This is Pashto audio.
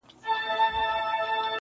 هري درې مياشتي ميدان كي غونډېدله!.